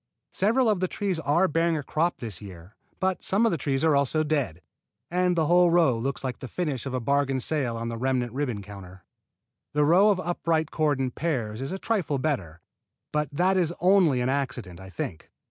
Several of the trees are bearing a crop this year, but some of the trees are also dead, and the whole row looks like the finish of a bargain sale on the remnant ribbon counter. The row of upright cordon pears is a trifle better, but that is only an accident, I think.